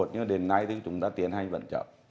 nhưng đến nay thì chúng ta tiến hành vẫn chậm